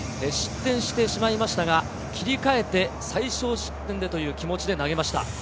失点してしまいましたが、切り替えて、最少失点でという気持ちで投げました。